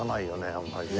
あんまりね。